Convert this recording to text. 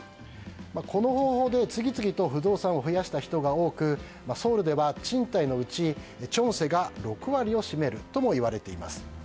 この方法で次々と不動産を増やした人が多くソウルでは賃貸のうちチョンセが６割を占めるともいわれています。